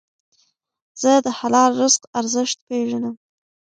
زه د حلال رزق ارزښت پېژنم.